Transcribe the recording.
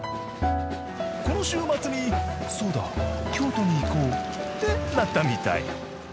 この週末にそうだ京都に行こうってなったみたい。